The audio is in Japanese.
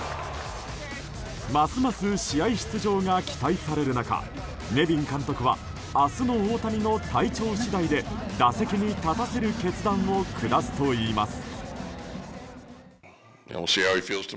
ますます試合出場が期待される中ネビン監督は明日の大谷の体調次第で打席に立たせる決断を下すといいます。